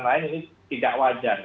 lain ini tidak wajar